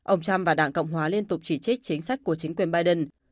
ông trump và đảng cộng hòa liên tục chỉ trích chính sách của chính quyền biden